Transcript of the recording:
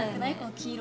黄色